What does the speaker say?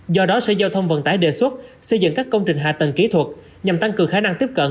do đó sở giao thông vận tải đề xuất xây dựng các công trình hạ tầng kỹ thuật nhằm tăng cường khả năng tiếp cận